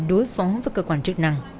đối phó với cơ quan trực năng